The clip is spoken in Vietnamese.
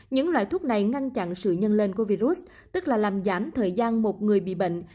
những loại thuốc này ngăn chặn sự nhân lên của virus tức là làm giảm thời gian một người bị bệnh